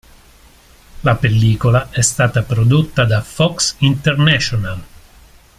La pellicola è stata prodotta da Fox International.